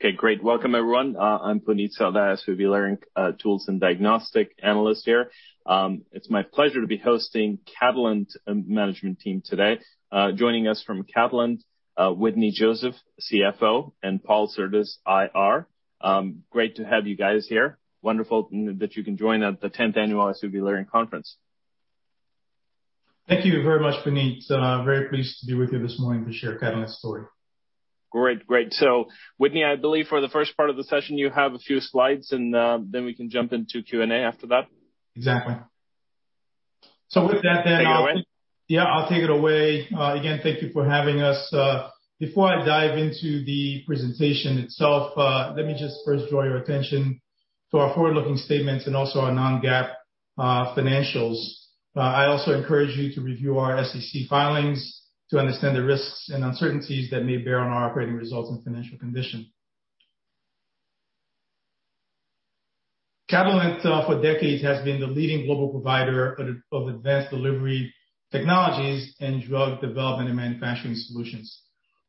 Okay, great. Welcome, everyone. I'm Puneet Souda, a SVB Leerink tools and diagnostics analyst here. It's my pleasure to be hosting the Catalent Management Team today. Joining us from Catalent, Wetteny Joseph, CFO, and Paul Surdez, IR. Great to have you guys here. Wonderful that you can join at the 10th Annual SVB Leerink Conference. Thank you very much, Puneet. Very pleased to be with you this morning to share Catalent's story. Great, great. So, Wetteny, I believe for the first part of the session, you have a few slides, and then we can jump into Q&A after that. Exactly. So with that, then. Yeah, I'll take it away. Again, thank you for having us. Before I dive into the presentation itself, let me just first draw your attention to our forward-looking statements and also our non-GAAP financials. I also encourage you to review our SEC filings to understand the risks and uncertainties that may bear on our operating results and financial condition. Catalent, for decades, has been the leading global provider of advanced delivery technologies and drug development and manufacturing solutions.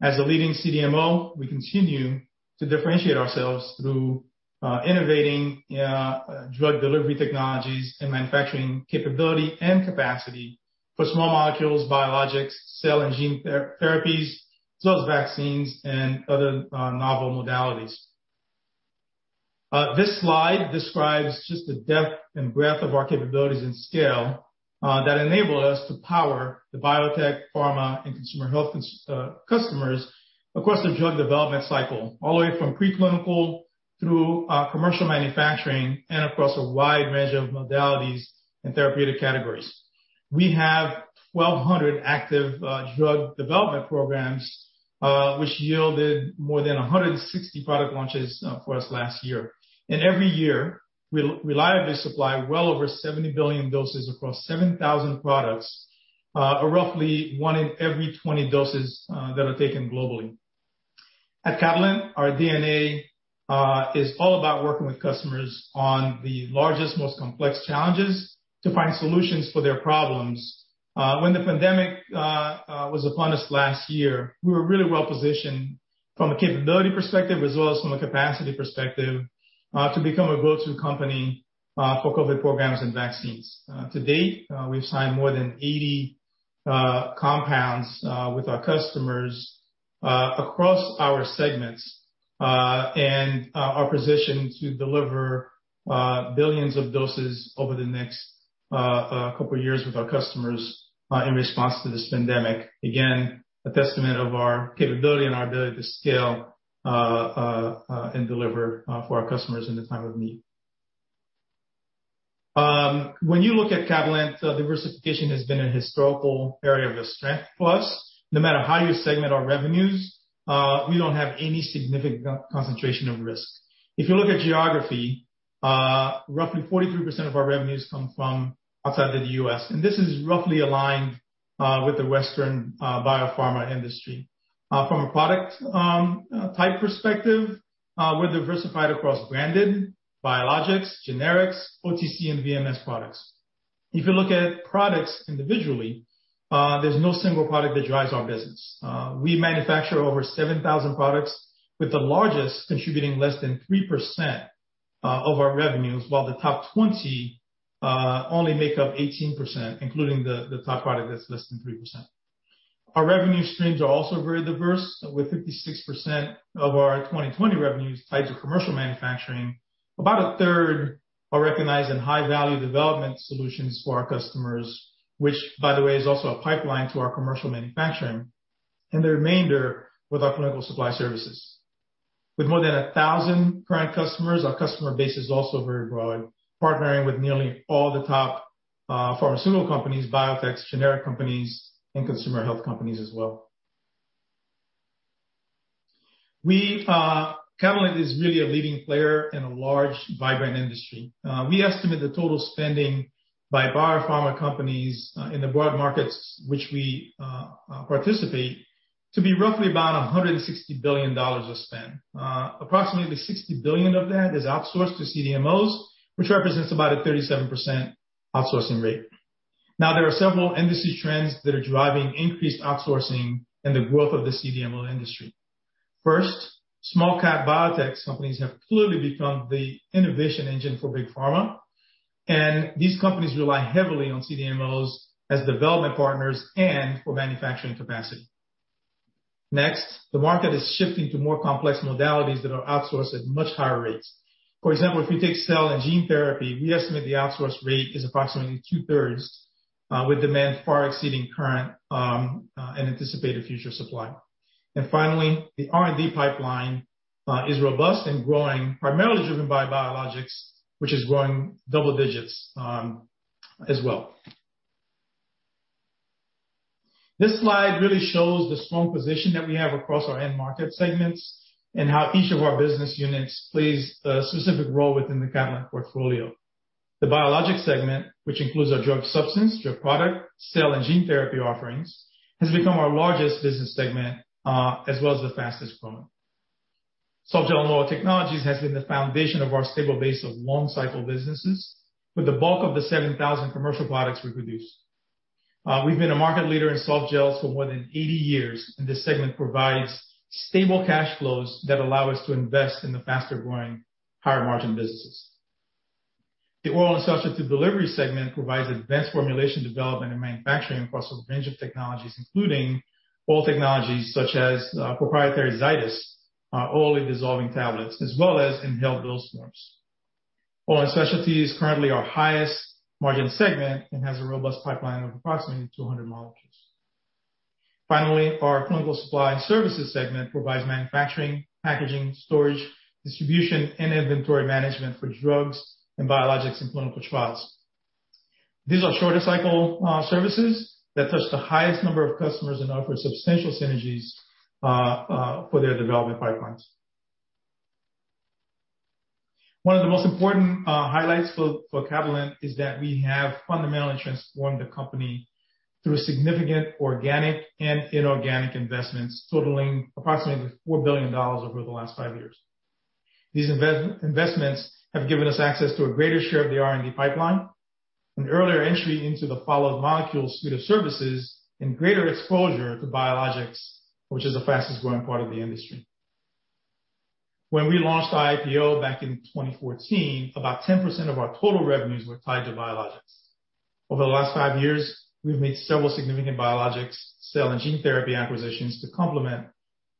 As a leading CDMO, we continue to differentiate ourselves through innovating drug delivery technologies and manufacturing capability and capacity for small molecules, biologics, cell and gene therapies, as well as vaccines and other novel modalities. This slide describes just the depth and breadth of our capabilities and scale that enable us to power the biotech, pharma, and consumer health customers across the drug development cycle, all the way from preclinical through commercial manufacturing and across a wide range of modalities and therapeutic categories. We have 1,200 active drug development programs, which yielded more than 160 product launches for us last year. And every year, we reliably supply well over 70 billion doses across 7,000 products, or roughly one in every 20 doses that are taken globally. At Catalent, our DNA is all about working with customers on the largest, most complex challenges to find solutions for their problems. When the pandemic was upon us last year, we were really well positioned from a capability perspective, as well as from a capacity perspective, to become a go-to company for COVID programs and vaccines. To date, we've signed more than 80 compounds with our customers across our segments and are positioned to deliver billions of doses over the next couple of years with our customers in response to this pandemic. Again, a testament of our capability and our ability to scale and deliver for our customers in a time of need. When you look at Catalent, diversification has been a historical area of strength for us. No matter how you segment our revenues, we don't have any significant concentration of risk. If you look at geography, roughly 43% of our revenues come from outside the U.S., and this is roughly aligned with the Western biopharma industry. From a product type perspective, we're diversified across branded, biologics, generics, OTC, and VMS products. If you look at products individually, there's no single product that drives our business. We manufacture over 7,000 products, with the largest contributing less than 3% of our revenues, while the top 20 only make up 18%, including the top product that's less than 3%. Our revenue streams are also very diverse. With 56% of our 2020 revenues tied to commercial manufacturing, about a third are recognized in high-value development solutions for our customers, which, by the way, is also a pipeline to our commercial manufacturing. And the remainder with our clinical supply services. With more than 1,000 current customers, our customer base is also very broad, partnering with nearly all the top pharmaceutical companies, biotech, generic companies, and consumer health companies as well. Catalent is really a leading player in a large, vibrant industry. We estimate the total spending by biopharma companies in the broad markets which we participate to be roughly about $160 billion of spend. Approximately $60 billion of that is outsourced to CDMOs, which represents about a 37% outsourcing rate. Now, there are several industry trends that are driving increased outsourcing and the growth of the CDMO industry. First, small-cap biotech companies have clearly become the innovation engine for big pharma. And these companies rely heavily on CDMOs as development partners and for manufacturing capacity. Next, the market is shifting to more complex modalities that are outsourced at much higher rates. For example, if you take cell and gene therapy, we estimate the outsourced rate is approximately two-thirds, with demand far exceeding current and anticipated future supply. And finally, the R&D pipeline is robust and growing, primarily driven by biologics, which is growing double digits as well. This slide really shows the strong position that we have across our end market segments and how each of our business units plays a specific role within the Catalent portfolio. The biologic segment, which includes our drug substance, drug product, cell, and gene therapy offerings, has become our largest business segment, as well as the fastest growing. Softgel Technologies has been the foundation of our stable base of long-cycle businesses, with the bulk of the 7,000 commercial products we produce. We've been a market leader in softgels for more than 80 years, and this segment provides stable cash flows that allow us to invest in the faster-growing, higher-margin businesses. The oral and alternate delivery segment provides advanced formulation development and manufacturing across a range of technologies, including all technologies such as proprietary Zydis orally disintegrating tablets, as well as inhaled pill forms. Oral and specialties currently are the highest-margin segment and have a robust pipeline of approximately 200 molecules. Finally, our clinical supply and services segment provides manufacturing, packaging, storage, distribution, and inventory management for drugs and biologics in clinical trials. These are shorter-cycle services that touch the highest number of customers and offer substantial synergies for their development pipelines. One of the most important highlights for Catalent is that we have fundamentally transformed the company through significant organic and inorganic investments, totaling approximately $4 billion over the last five years. These investments have given us access to a greater share of the R&D pipeline, an earlier entry into the Follow the molecule suite of services, and greater exposure to biologics, which is the fastest-growing part of the industry. When we launched IPO back in 2014, about 10% of our total revenues were tied to biologics. Over the last five years, we've made several significant biologics, cell, and gene therapy acquisitions to complement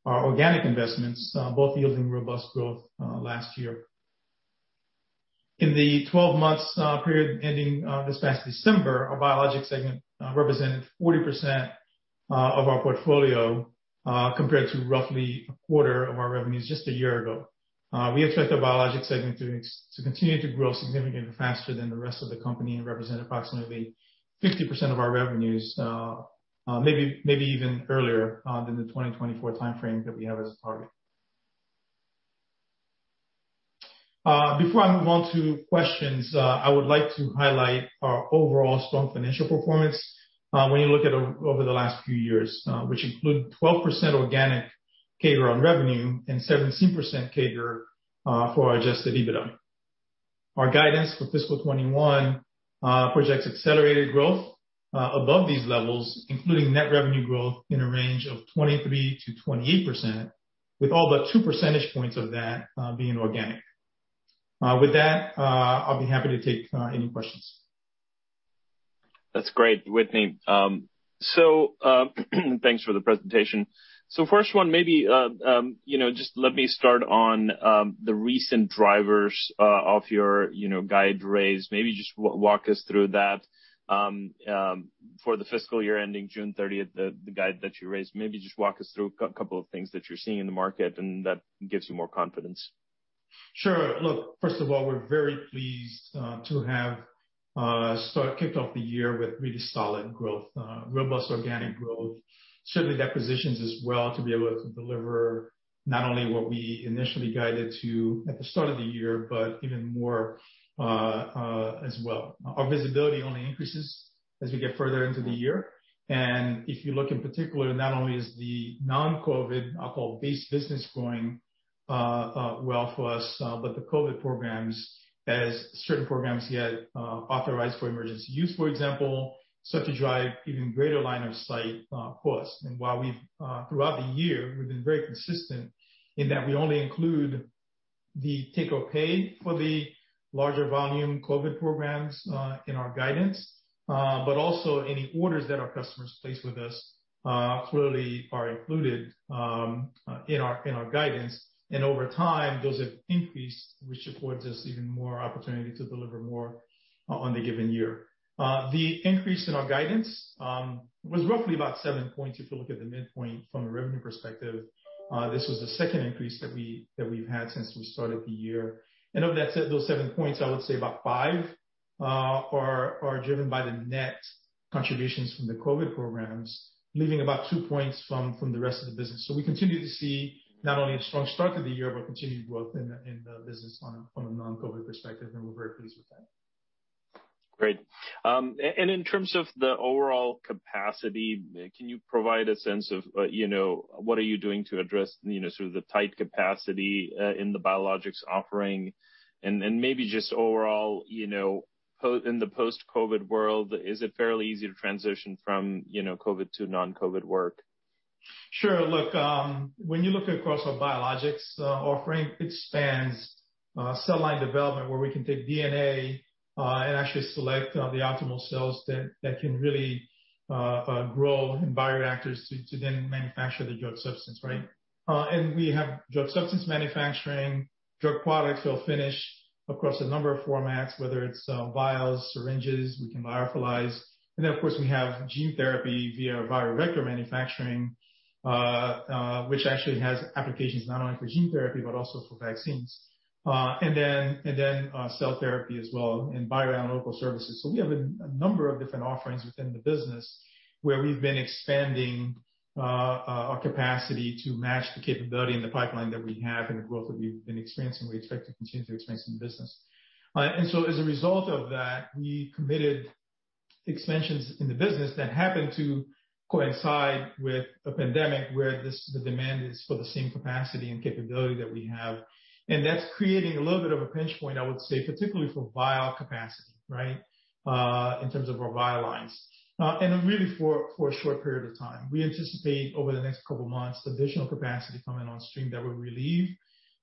our organic investments, both yielding robust growth last year. In the 12-month period ending this past December, our biologic segment represented 40% of our portfolio, compared to roughly a quarter of our revenues just a year ago. We expect our biologic segment to continue to grow significantly faster than the rest of the company and represent approximately 50% of our revenues, maybe even earlier than the 2024 timeframe that we have as a target. Before I move on to questions, I would like to highlight our overall strong financial performance when you look at over the last few years, which include 12% organic CAGR on revenue and 17% CAGR for our Adjusted EBITDA. Our guidance for fiscal 2021 projects accelerated growth above these levels, including net revenue growth in a range of 23%-28%, with all but two percentage points of that being organic. With that, I'll be happy to take any questions. That's great, Wetteny. So thanks for the presentation. So first one, maybe just let me start on the recent drivers of your guide raise. Maybe just walk us through that for the fiscal year ending June 30th, the guide that you raised. Maybe just walk us through a couple of things that you're seeing in the market, and that gives you more confidence. Sure. Look, first of all, we're very pleased to have kicked off the year with really solid growth, robust organic growth, certainly that positions us well to be able to deliver not only what we initially guided to at the start of the year, but even more as well. Our visibility only increases as we get further into the year. And if you look in particular, not only is the non-COVID, I'll call it base business, growing well for us, but the COVID programs, as certain programs get authorized for emergency use, for example, start to drive even greater line of sight for us. And while throughout the year, we've been very consistent in that we only include the take-or-pay for the larger volume COVID programs in our guidance, but also any orders that our customers place with us clearly are included in our guidance. Over time, those have increased, which affords us even more opportunity to deliver more on the given year. The increase in our guidance was roughly about seven points. If you look at the midpoint from a revenue perspective, this was the second increase that we've had since we started the year. And that said, those seven points, I would say about five are driven by the net contributions from the COVID programs, leaving about two points from the rest of the business. So we continue to see not only a strong start to the year, but continued growth in the business on a non-COVID perspective. We're very pleased with that. Great. And in terms of the overall capacity, can you provide a sense of what are you doing to address sort of the tight capacity in the biologics offering? And maybe just overall, in the post-COVID world, is it fairly easy to transition from COVID to non-COVID work? Sure. Look, when you look across our biologics offering, it spans cell line development, where we can take DNA and actually select the optimal cells that can really grow in bioreactors to then manufacture the drug substance, right? And we have drug substance manufacturing, drug products that will finish across a number of formats, whether it's vials, syringes, we can lyophilize, and then, of course, we have gene therapy via viral vector manufacturing, which actually has applications not only for gene therapy, but also for vaccines, and then cell therapy as well in bioanalytical services, so we have a number of different offerings within the business, where we've been expanding our capacity to match the capability and the pipeline that we have and the growth that we've been experiencing. We expect to continue to experience in the business. And so as a result of that, we committed expansions in the business that happened to coincide with a pandemic, where the demand is for the same capacity and capability that we have. And that's creating a little bit of a pinch point, I would say, particularly for vial capacity, right, in terms of our vial lines. And really, for a short period of time, we anticipate over the next couple of months, additional capacity coming on stream that will relieve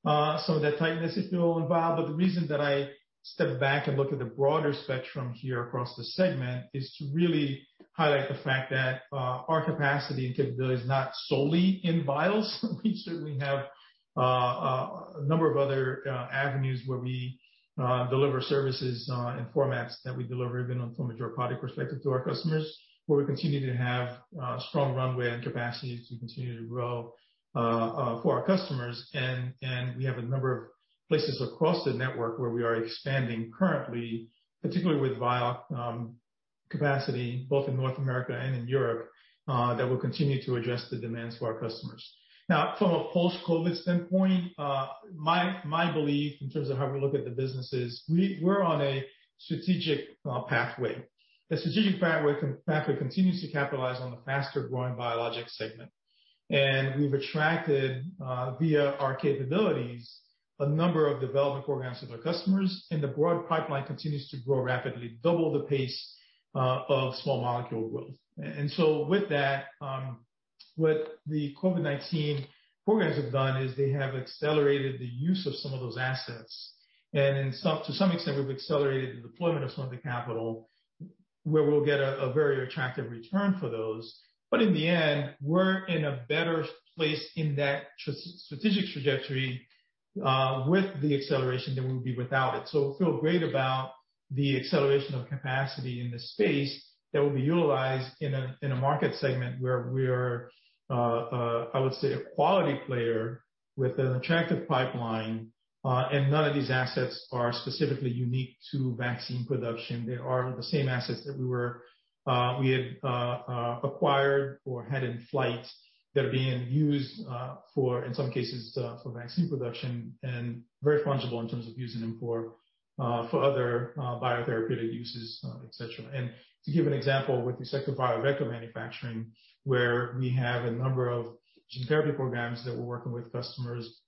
some of that tightness if you're all involved. But the reason that I step back and look at the broader spectrum here across the segment is to really highlight the fact that our capacity and capability is not solely in vials. We certainly have a number of other avenues where we deliver services and formats that we deliver, even from a drug product perspective, to our customers, where we continue to have a strong runway and capacity to continue to grow for our customers, and we have a number of places across the network where we are expanding currently, particularly with vial capacity, both in North America and in Europe, that will continue to address the demands for our customers. Now, from a post-COVID standpoint, my belief in terms of how we look at the business is we're on a strategic pathway. The strategic pathway continues to capitalize on the faster-growing biologics segment, and we've attracted, via our capabilities, a number of development programs to our customers, and the broad pipeline continues to grow rapidly, double the pace of small molecule growth. And so with that, what the COVID-19 programs have done is they have accelerated the use of some of those assets. And to some extent, we've accelerated the deployment of some of the capital, where we'll get a very attractive return for those. But in the end, we're in a better place in that strategic trajectory with the acceleration than we would be without it. So I feel great about the acceleration of capacity in this space that will be utilized in a market segment where we're, I would say, a quality player with an attractive pipeline. And none of these assets are specifically unique to vaccine production. They are the same assets that we had acquired or had in flight that are being used for, in some cases, for vaccine production and very fungible in terms of using them for other biotherapeutic uses, et cetera. To give an example, with respect to viral vector manufacturing, where we have a number of gene therapy programs that we're working with customers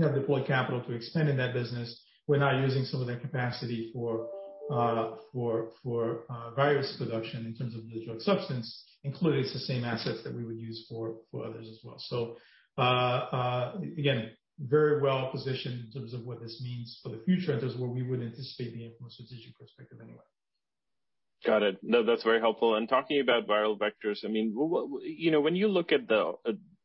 have deployed capital to expand in that business, we're now using some of that capacity for virus production in terms of the drug substance, including the same assets that we would use for others as well. Again, very well positioned in terms of what this means for the future and just where we would anticipate being from a strategic perspective anyway. Got it. No, that's very helpful. And talking about viral vectors, I mean, when you look at the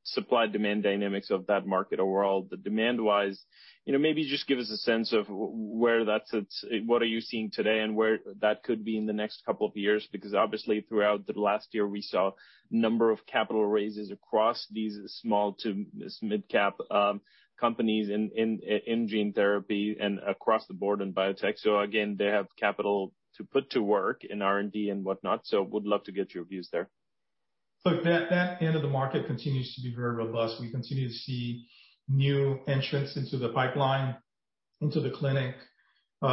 supply-demand dynamics of that market overall, the demand-wise, maybe just give us a sense of where that sits? What are you seeing today and where that could be in the next couple of years? Because obviously, throughout the last year, we saw a number of capital raises across these small to mid-cap companies in gene therapy and across the board in biotech. So again, they have capital to put to work in R&D and whatnot. So we'd love to get your views there. Look, that end of the market continues to be very robust. We continue to see new entrants into the pipeline, into the clinic. There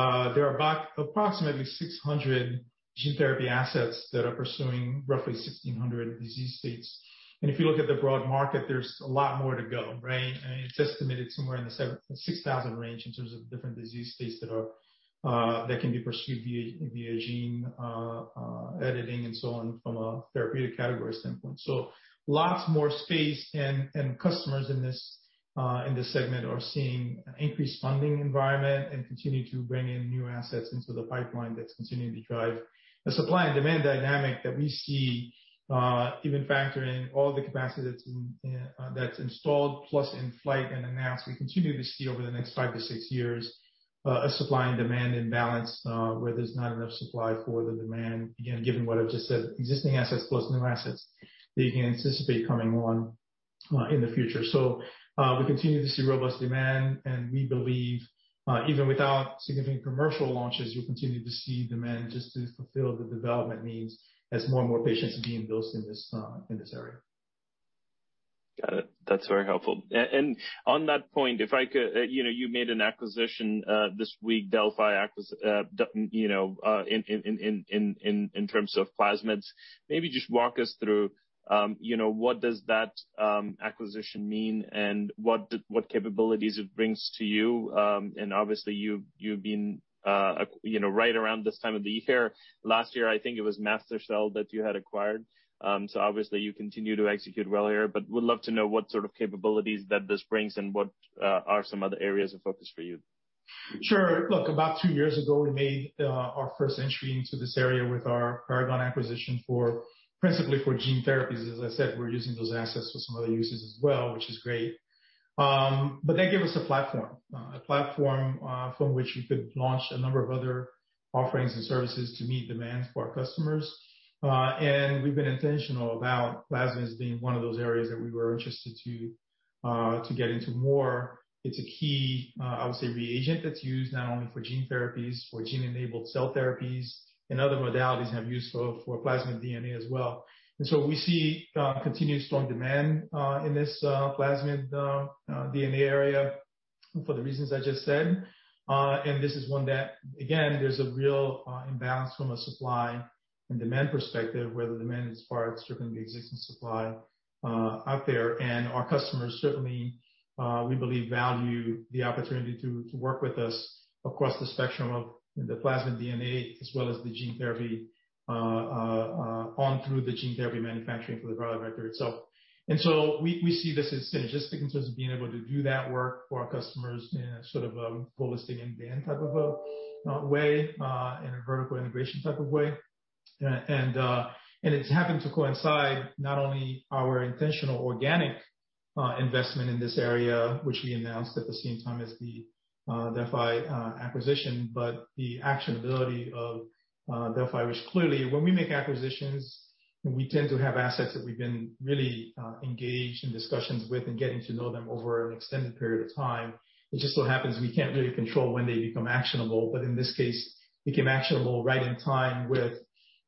are approximately 600 gene therapy assets that are pursuing roughly 1,600 disease states. And if you look at the broad market, there's a lot more to go, right? It's estimated somewhere in the 6,000 range in terms of different disease states that can be pursued via gene editing and so on from a therapeutic category standpoint. So lots more space and customers in this segment are seeing an increased funding environment and continue to bring in new assets into the pipeline that's continuing to drive the supply and demand dynamic that we see, even factoring all the capacity that's installed, plus in flight and announced. We continue to see over the next five to six years a supply and demand imbalance where there's not enough supply for the demand. Again, given what I've just said, existing assets plus new assets that you can anticipate coming on in the future. So we continue to see robust demand. And we believe even without significant commercial launches, we'll continue to see demand just to fulfill the development needs as more and more patients are being induced in this area. Got it. That's very helpful. And on that point, if I could, you made an acquisition this week, Delphi, in terms of plasmids. Maybe just walk us through what does that acquisition mean and what capabilities it brings to you. And obviously, you've been right around this time of the year. Last year, I think it was MaSTherCell that you had acquired. So obviously, you continue to execute well here. But we'd love to know what sort of capabilities that this brings and what are some other areas of focus for you. Sure. Look, about two years ago, we made our first entry into this area with our Paragon acquisition principally for gene therapies. As I said, we're using those assets for some other uses as well, which is great. But that gave us a platform, a platform from which we could launch a number of other offerings and services to meet demands for our customers. And we've been intentional about plasmids being one of those areas that we were interested to get into more. It's a key, I would say, reagent that's used not only for gene therapies, for gene-enabled cell therapies and other modalities have used for plasmid DNA as well. And so we see continued strong demand in this plasmid DNA area for the reasons I just said. This is one that, again, there's a real imbalance from a supply and demand perspective, where the demand is far outstripping the existing supply out there. Our customers certainly, we believe, value the opportunity to work with us across the spectrum of the plasmid DNA as well as the gene therapy on through the gene therapy manufacturing for the viral vector itself. So we see this as synergistic in terms of being able to do that work for our customers in a sort of a holistic and end-to-end type of a way and a vertical integration type of way. And it's happened to coincide not only our intentional organic investment in this area, which we announced at the same time as the Delphi acquisition, but the actionability of Delphi, which clearly, when we make acquisitions, we tend to have assets that we've been really engaged in discussions with and getting to know them over an extended period of time. It just so happens we can't really control when they become actionable. But in this case, became actionable right in time with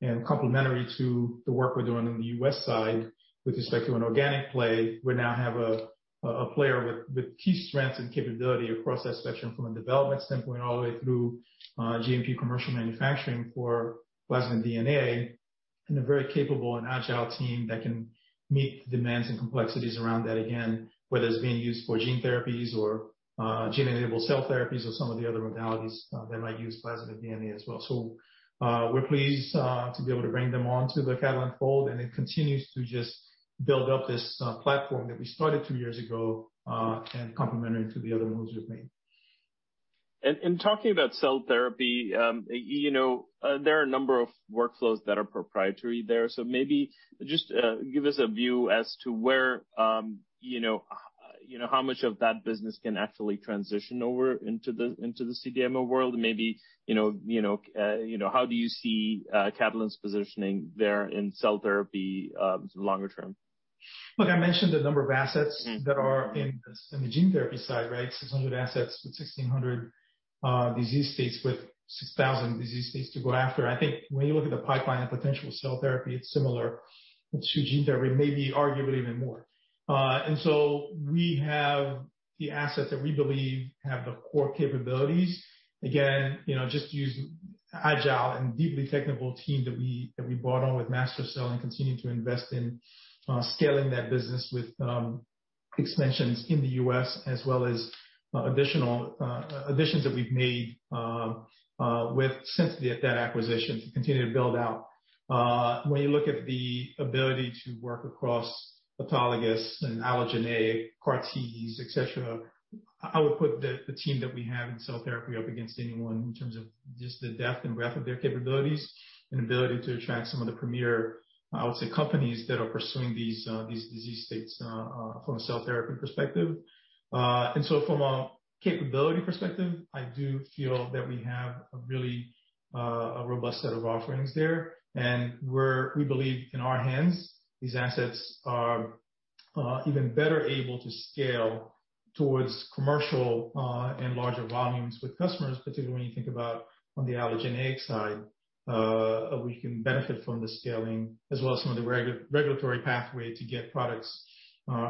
and complementary to the work we're doing on the U.S. side with respect to an organic play. We now have a player with key strengths and capability across that spectrum from a development standpoint all the way through GMP commercial manufacturing for plasmid DNA and a very capable and agile team that can meet the demands and complexities around that, again, whether it's being used for gene therapies or gene-enabled cell therapies or some of the other modalities that might use plasmid DNA as well, so we're pleased to be able to bring them on to the Catalent fold, and it continues to just build up this platform that we started two years ago and complementary to the other moves we've made. And talking about cell therapy, there are a number of workflows that are proprietary there. So maybe just give us a view as to how much of that business can actually transition over into the CDMO world. Maybe how do you see Catalent's positioning there in cell therapy longer term? Look, I mentioned the number of assets that are in the gene therapy side, right? 600 assets with 1,600 disease states with 6,000 disease states to go after. I think when you look at the pipeline and potential cell therapy, it's similar to gene therapy, maybe arguably even more. And so we have the assets that we believe have the core capabilities. Again, just use agile and deeply technical team that we brought on with MaSTherCell and continue to invest in scaling that business with extensions in the U.S., as well as additions that we've made since that acquisition to continue to build out. When you look at the ability to work across autologous and allogeneic, CAR Ts, et cetera, I would put the team that we have in cell therapy up against anyone in terms of just the depth and breadth of their capabilities and ability to attract some of the premier, I would say, companies that are pursuing these disease states from a cell therapy perspective. From a capability perspective, I do feel that we have a really robust set of offerings there. We believe in our hands, these assets are even better able to scale towards commercial and larger volumes with customers, particularly when you think about on the allogeneic side, we can benefit from the scaling as well as some of the regulatory pathway to get products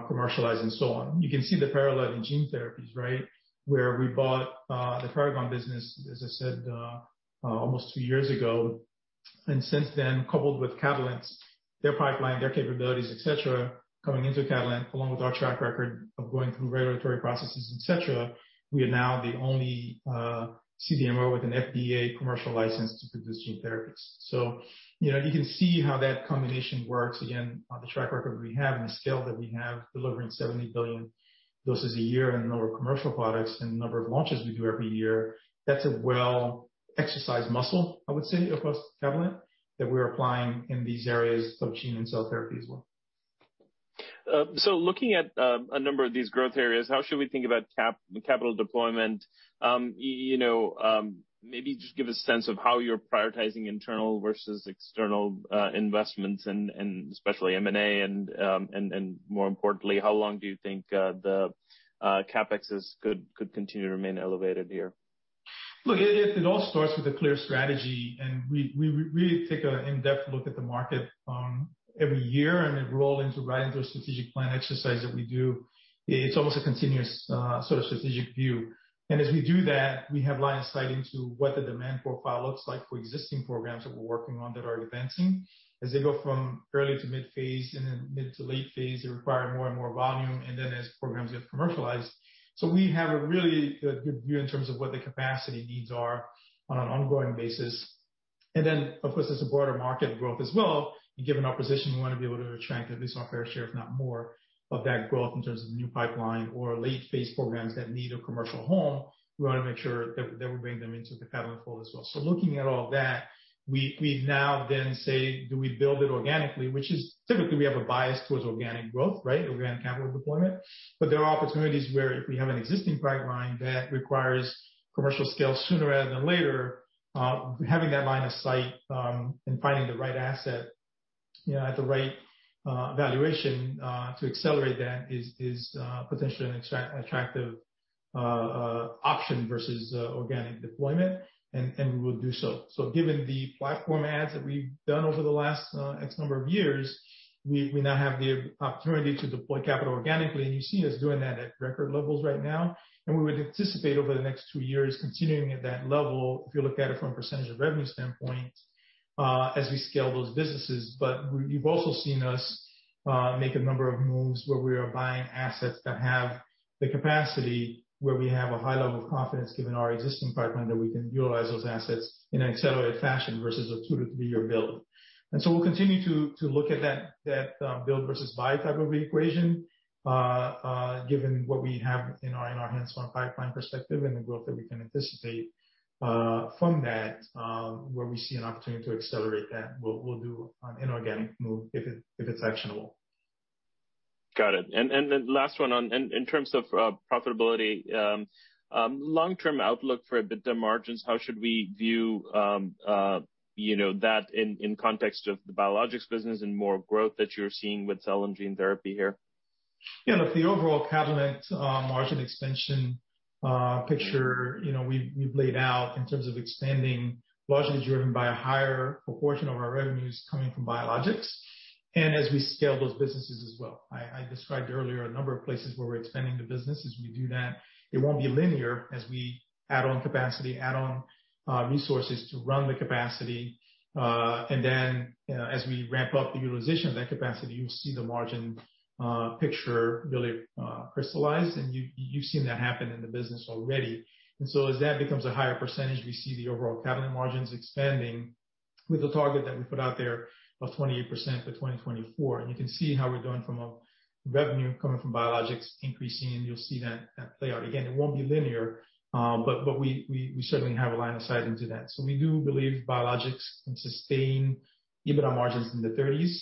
commercialized and so on. You can see the parallel in gene therapies, right, where we bought the Paragon business, as I said, almost two years ago, and since then, coupled with Catalent, their pipeline, their capabilities, et cetera, coming into Catalent, along with our track record of going through regulatory processes, et cetera, we are now the only CDMO with an FDA commercial license to produce gene therapies, so you can see how that combination works. Again, the track record we have and the scale that we have delivering 70 billion doses a year and other commercial products and the number of launches we do every year, that's a well-exercised muscle, I would say, across Catalent that we're applying in these areas of gene and cell therapy as well. So looking at a number of these growth areas, how should we think about capital deployment? Maybe just give a sense of how you're prioritizing internal versus external investments and especially M&A. And more importantly, how long do you think the CapEx could continue to remain elevated here? Look, it all starts with a clear strategy. And we really take an in-depth look at the market every year. And it rolls right into a strategic plan exercise that we do. It's almost a continuous sort of strategic view. And as we do that, we have line of sight into what the demand profile looks like for existing programs that we're working on that are advancing. As they go from early to mid-phase and then mid to late phase, they require more and more volume. And then as programs get commercialized, so we have a really good view in terms of what the capacity needs are on an ongoing basis. And then, of course, there's a broader market growth as well. Given our position, we want to be able to attract at least our fair share, if not more, of that growth in terms of new pipeline or late-phase programs that need a commercial home. We want to make sure that we bring them into the Catalent fold as well. Looking at all that, we now then say, do we build it organically, which is typically we have a bias towards organic growth, right, organic capital deployment. There are opportunities where if we have an existing pipeline that requires commercial scale sooner rather than later, having that line of sight and finding the right asset at the right valuation to accelerate that is potentially an attractive option versus organic deployment. We will do so. So given the platform ads that we've done over the last X number of years, we now have the opportunity to deploy capital organically. And you see us doing that at record levels right now. And we would anticipate over the next two years continuing at that level if you look at it from a percentage of revenue standpoint as we scale those businesses. But you've also seen us make a number of moves where we are buying assets that have the capacity where we have a high level of confidence given our existing pipeline that we can utilize those assets in an accelerated fashion versus a two- to three-year build. And so we'll continue to look at that build versus buy type of equation given what we have in our hands from a pipeline perspective and the growth that we can anticipate from that where we see an opportunity to accelerate that. We'll do an inorganic move if it's actionable. Got it, and then last one on in terms of profitability, long-term outlook for EBITDA margins, how should we view that in context of the biologics business and more growth that you're seeing with cell and gene therapy here? Yeah. Look, the overall Catalent margin expansion picture we've laid out in terms of expanding, largely driven by a higher proportion of our revenues coming from biologics, and as we scale those businesses as well. I described earlier a number of places where we're expanding the business. As we do that, it won't be linear as we add on capacity, add on resources to run the capacity, and then as we ramp up the utilization of that capacity, you'll see the margin picture really crystallize, and you've seen that happen in the business already, and so as that becomes a higher percentage, we see the overall Catalent margins expanding with a target that we put out there of 28% for 2024, and you can see how we're going from a revenue coming from biologics increasing, and you'll see that play out. Again, it won't be linear, but we certainly have a line of sight into that. So we do believe biologics can sustain EBITDA margins in the 30s.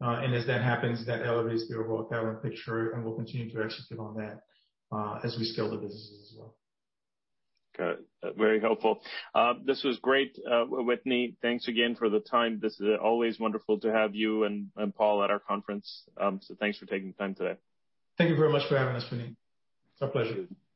And as that happens, that elevates the overall Catalent picture. And we'll continue to execute on that as we scale the businesses as well. Got it. Very helpful. This was great, Wetteny. Thanks again for the time. This is always wonderful to have you and Paul at our conference. So thanks for taking the time today. Thank you very much for having us, Wetteny. It's our pleasure. Thank you. Bye.